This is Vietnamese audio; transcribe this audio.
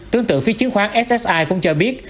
tương tự phía chứng khoán ssi cũng cho biết